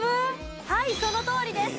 はいそのとおりです。